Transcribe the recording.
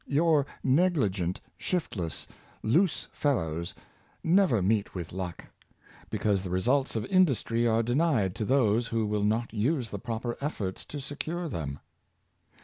Your negligent, shiftless, loose fellows never meet with luck; because the results of industry are denied to those who will not use the proper efforts to secure them.